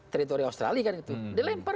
teritori australia kan gitu dia lempar